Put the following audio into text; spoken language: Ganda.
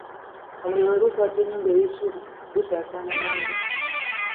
Omuliro bwe gukwata ennyumba ey'essubi, gusaasaana mangu.